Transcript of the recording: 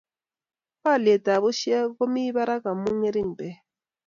Alyet ab pushek ko mie barak amu ngering' peek